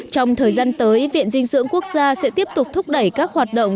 trong thời gian tới viện dinh dưỡng quốc gia sẽ tiếp tục thúc đẩy các hoạt động